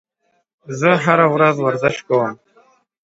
زه هره ورځ ورزش کوم